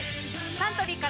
サントリーから